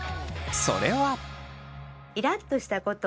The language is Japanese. それは。